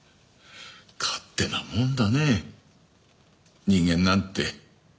勝手なもんだね人間なんて。